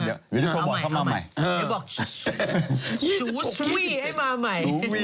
เดี๋ยวจะโทรบอร์สเข้ามาใหม่